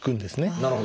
なるほど。